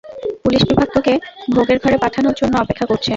Police বিভাগ তোকে ভোগের ঘরে পাঠানো জন্য অপেক্ষা করছে।